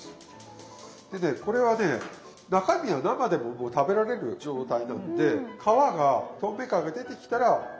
でねこれはね中身は生でも食べられる状態なんで皮が透明感が出てきたらもうこれで食べれます。